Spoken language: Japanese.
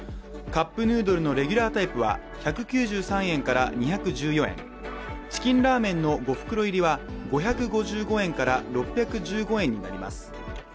カップヌードルのレギュラータイプは１９３円から２１４円、チキンラーメンの５袋入りは５５５円から６１５円になります。